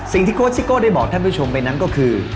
โค้ชซิโก้ได้บอกท่านผู้ชมไปนั้นก็คือ